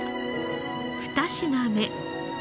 ２品目。